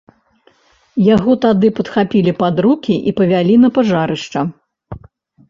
Яго тады падхапілі пад рукі і павялі на пажарышча.